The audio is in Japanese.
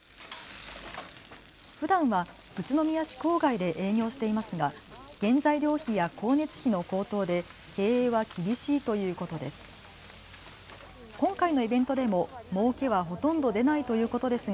ふだんは宇都宮市郊外で営業していますが原材料費や光熱費の高騰で経営は厳しいということです。